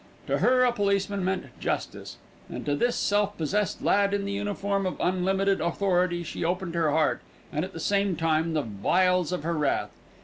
To her a policeman meant justice, and to this self possessed lad in the uniform of unlimited authority she opened her heart and, at the same time, the vials of her wrath.